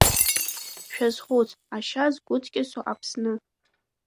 Шәазхәыц, ашьа згәыҵкьасо Аԥсны!